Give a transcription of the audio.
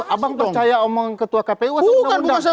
abang percaya omongan ketua kpu itu undang undang